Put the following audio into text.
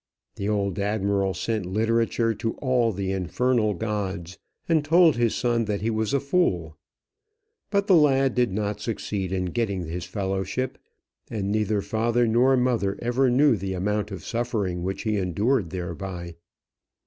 The old admiral sent literature to all the infernal gods, and told his son that he was a fool. But the lad did not succeed in getting his fellowship, and neither father nor mother ever knew the amount of suffering which he endured thereby.